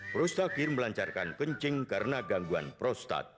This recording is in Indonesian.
prostat gyu melancarkan kencing karena gangguan prostat